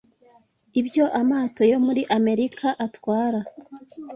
ibyo amato yo muri Amerika atwara